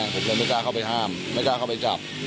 ผมเลยไม่กล้าเข้าไปห้ามไม่กล้าเข้าไปจับ